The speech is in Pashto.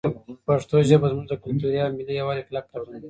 پښتو ژبه زموږ د کلتوري او ملي یووالي کلک تړون دی.